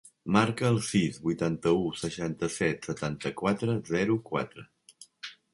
Marca el sis, vuitanta-u, seixanta-set, setanta-quatre, zero, quatre.